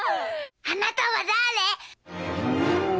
あなたはだあれ？